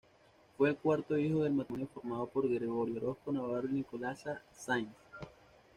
Fue el cuarto hijo del matrimonio formado por Gregorio Orozco Navarro y Nicolasa Sáinz.